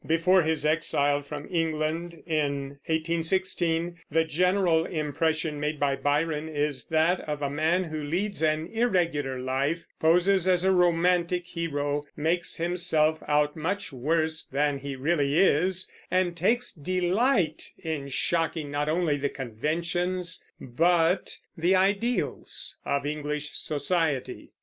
Before his exile from England, in 1816, the general impression made by Byron is that of a man who leads an irregular life, poses as a romantic hero, makes himself out much worse than he really is, and takes delight in shocking not only the conventions but the ideals of English society.